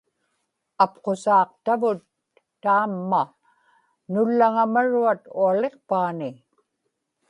apqusaaqtavut taamma nullaŋamaruat Ualiqpaani